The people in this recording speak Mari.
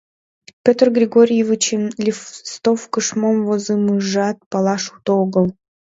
Петр Григорьевичын листовкыш мом возымыжымат палаш уто огыл.